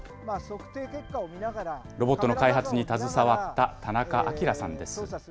ロボットの開発に携わった田中章さんです。